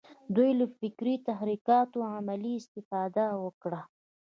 دوی له فکري تحرکاتو عملي استفاده وکړه.